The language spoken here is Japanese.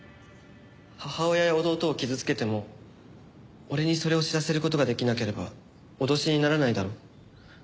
母親や弟を傷つけても俺にそれを知らせる事ができなければ脅しにならないだろ？